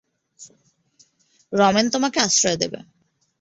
রমেন তোমাকে আশ্রয় দেবে!